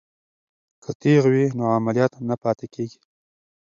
که تیغ وي نو عملیات نه پاتې کیږي.